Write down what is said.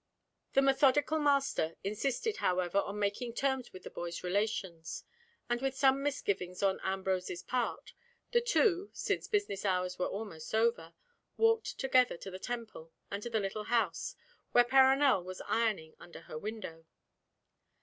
The methodical master insisted however on making terms with the boy's relations; and with some misgivings on Ambrose's part, the two—since business hours were almost over—walked together to the Temple and to the little house, where Perronel was ironing under her window.